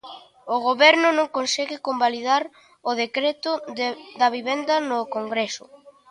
O Goberno non consegue convalidar o decreto de vivenda no Congreso.